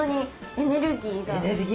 エネルギーがはい。